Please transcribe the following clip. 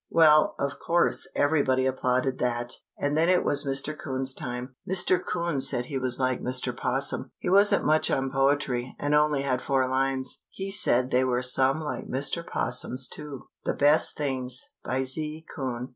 Well, of course, everybody applauded that, and then it was Mr. 'Coon's time. Mr. 'Coon said he was like Mr. 'Possum. He wasn't much on poetry, and only had four lines. He said they were some like Mr. 'Possum's, too. THE BEST THINGS. BY Z. COON.